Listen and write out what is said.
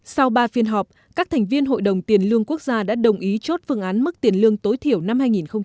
sau ba phiên họp các thành viên hội đồng tiền lương quốc gia đã đồng ý chốt phương án mức tiền lương tối thiểu năm hai nghìn hai mươi